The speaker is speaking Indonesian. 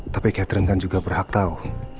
tapi catherine kan juga berhak tahu